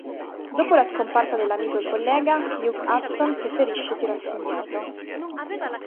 Dopo la scomparsa dell'amico e collega, Hugh Hudson preferisce tirarsi indietro.